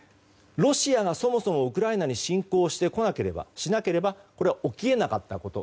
ロシアがそもそもウクライナに侵攻してこなければこれは起き得なかったこと。